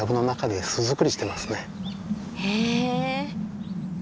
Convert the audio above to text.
へえ。